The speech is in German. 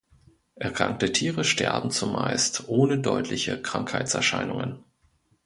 Erkrankte Tiere sterben zumeist ohne deutliche Krankheitserscheinungen.